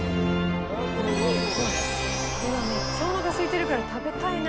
今めっちゃおなかすいてるから食べたいな。